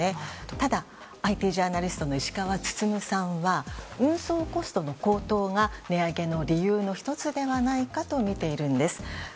ただ、ＩＴジャーナリストの石川温さんは運送コストの高騰が値上げの理由の１つではないかと見ているんです。